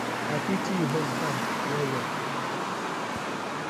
I pity yu husban well well.